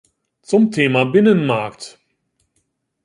Zum Thema Binnenmarkt.